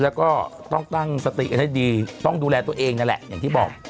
แล้วก็ต้องตั้งสติกันให้ดีต้องดูแลตัวเองนั่นแหละอย่างที่บอก